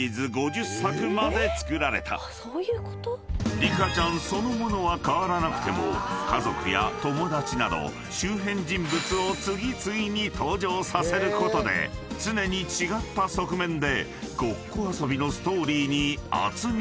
［リカちゃんそのものは変わらなくても家族や友達など周辺人物を次々に登場させることで常に違った側面で］